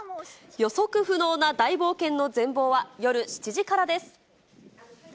予測不能な大冒険の全貌は、夜７時からです。